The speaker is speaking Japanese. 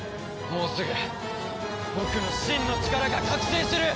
もうすぐ僕の真の力が覚醒する！